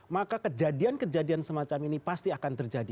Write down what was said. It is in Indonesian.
maka kejadian kejadian semacam ini pasti akan terjadi